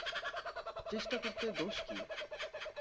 চেষ্টা করতে দোষ কী?